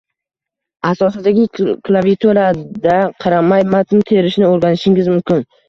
Asosidagi klaviaturada qaramay matn terishni o’rganishingiz mumkin